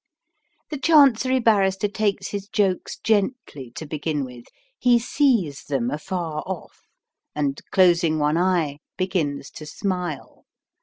The Chancery Barrister takes his jokes gently to begin with: he sees them afar off, and, closing one eye, begins to smile.